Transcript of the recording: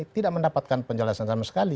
tidak mendapatkan penjelasan sama sekali